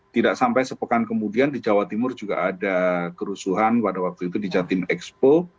tidak sampai sepekan kemudian di jawa timur juga ada kerusuhan pada waktu itu di jatim expo